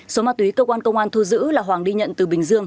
số ma túy cơ quan công an thu giữ là hoàng đi nhận từ bình dương